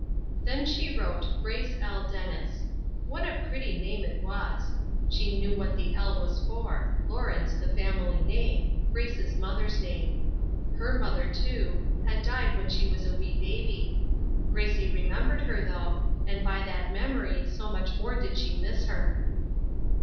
Then she wrote "Grace L. Dennis." What a pretty name that was. She knew what the "L" was for Lawrence, the family name Grace's mother's name. Her mother, too, had died when she was a wee baby. Gracie remembered her, though, and by that memory so much more did she miss her.